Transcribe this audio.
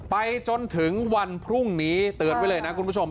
ไปจนถึงวันพรุ่งนี้เตือนไว้เลยนะคุณผู้ชม